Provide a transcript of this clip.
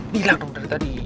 bilang dong dari tadi